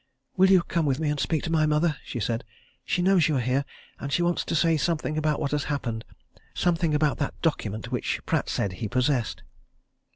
"Will you come with me and speak to my mother?" she said. "She knows you are here, and she wants to say something about what has happened something about that document which Pratt said he possessed."